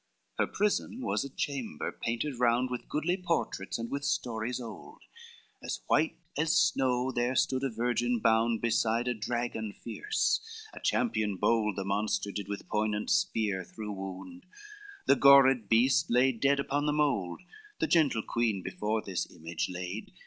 XXIII "Her prison was a chamber, painted round With goodly portraits and with stories old, As white as snow there stood a virgin bound, Besides a dragon fierce, a champion bold The monster did with poignant spear through wound, The gored beast lay dead upon the mould; The gentle queen before this image laid.